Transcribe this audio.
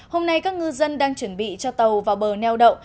hôm nay các ngư dân đang chuẩn bị cho tàu vào bờ neo đậu